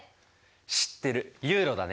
知ってるユーロだね。